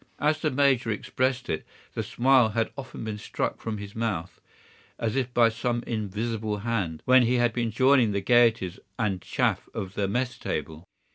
As the major expressed it, the smile had often been struck from his mouth, as if by some invisible hand, when he has been joining the gayeties and chaff of the mess table.